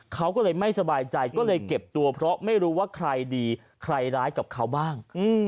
เขาก็เลยไม่สบายใจก็เลยเก็บตัวเพราะไม่รู้ว่าใครดีใครร้ายกับเขาบ้าง